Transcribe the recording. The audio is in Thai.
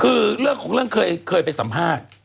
คือเรื่องของเรื่องเคยไปสัมภาษณ์